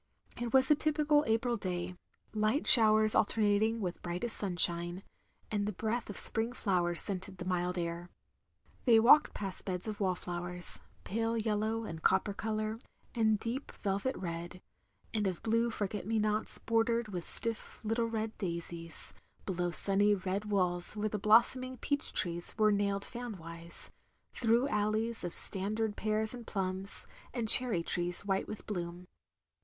It was a typical April day; light showers alter nating with brightest sunshine, and the breath of spring flowers scenting the mild air. They walked past beds of wallflowers, pale yellow and copper colour, and deep velvet red; and of blue forget me nots bordered with stiS little red daisies; below sunny red walls where the blossoming peach trees were nailed fan wise; through alleys of standard pears and plums, and cherry trees white with bloom.